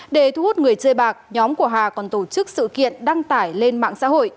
để thu hút người chơi bạc nhóm của hà còn tổ chức sự kiện đăng tải lên mạng xã hội